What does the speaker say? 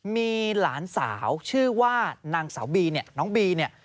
มีหลานสาวชื่อว่านางสาวบีน้องบี